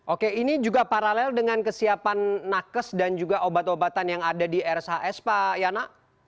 oke ini juga paralel dengan kesiapan nakes dan juga obat obatan yang ada di rshs pak yana